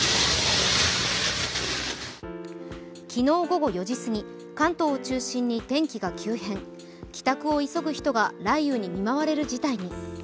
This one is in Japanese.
昨日午後４時過ぎ、関東を中心に天気が急変帰宅を急ぐ人が雷雨に見舞われる事態に。